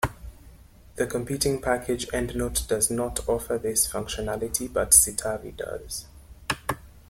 The competing package EndNote does not offer this functionality, but Citavi does.